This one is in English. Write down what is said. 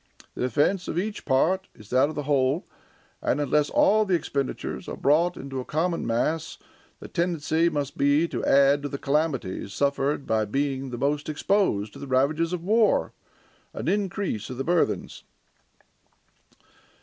The defense of each part is that of the whole, and unless all the expenditures are brought into a common mass, the tendency must be to add to the calamities suffered by being the most exposed to the ravages of war, an increase of burthens."